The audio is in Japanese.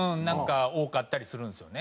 多かったりするんですよね。